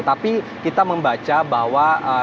tapi pada saat ke dua